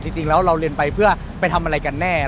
จริงแล้วเราเรียนไปเพื่อไปทำอะไรกันแน่